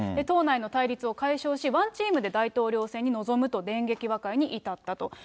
党内の対立を解消し、ワンチームで大統領選に臨むと、電撃和解に至ったと。